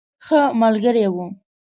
ښه ملګری وو.